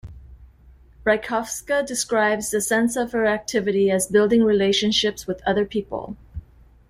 Rajkowska describes the sense of her activity as building relationships with other people.